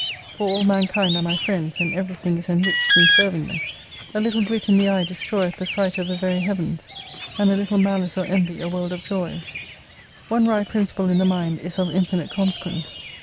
For all mankind are my friends, and everything is enriched in serving them. A little grit in the eye destroyeth the sight of the very heavens, and a little mahce or envy a world of joys. One wry principle in the mind is of infinite consequence.